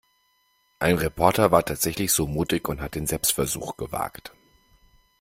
Ein Reporter war tatsächlich so mutig und hat den Selbstversuch gewagt.